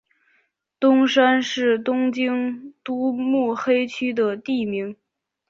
东山是东京都目黑区的地名。